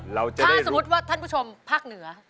ถ้าสมมุติว่าท่านผู้ชมภาคเหนือ